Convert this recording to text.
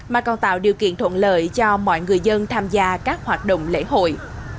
mà còn tạo điều kiện thuận lợi cho mọi người dân tham gia các hoạt động lễ hội